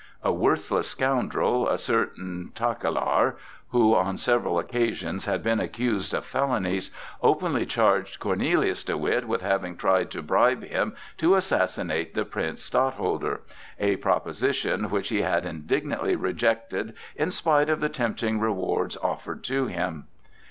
A worthless scoundrel, a certain Tichelaar who on several occasions had been accused of felonies, openly charged Cornelius de Witt with having tried to bribe him to assassinate the Prince Stadtholder,—a proposition which he had indignantly rejected in spite of the tempting rewards offered to him.